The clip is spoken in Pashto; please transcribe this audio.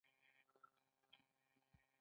دښمن د زخمونو ژوروالۍ ته خوښیږي